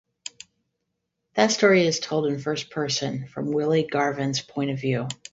That story is told in first person from Willie Garvin's point of view.